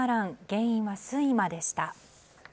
原因は睡魔でした。